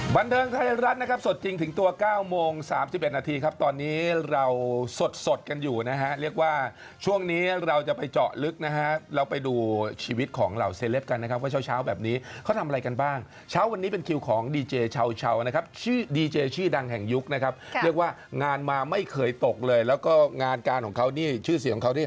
บันเทิงไทยรัฐนะครับสดจริงถึงตัว๙โมง๓๑นาทีครับตอนนี้เราสดสดกันอยู่นะฮะเรียกว่าช่วงนี้เราจะไปเจาะลึกนะฮะเราไปดูชีวิตของเหล่าเซลปกันนะครับว่าเช้าเช้าแบบนี้เขาทำอะไรกันบ้างเช้าวันนี้เป็นคิวของดีเจชาวนะครับชื่อดีเจชื่อดังแห่งยุคนะครับเรียกว่างานมาไม่เคยตกเลยแล้วก็งานการของเขานี่ชื่อเสียงเขาที่